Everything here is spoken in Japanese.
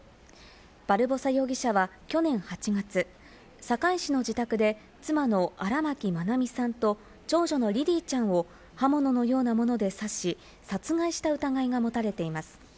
バルボサ容疑者は去年８月、堺市の自宅で妻の荒牧愛美さんと、長女のリリィちゃんを刃物のようなもので刺し、殺害した疑いが持たれています。